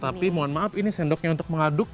tapi mohon maaf ini sendoknya untuk mengaduk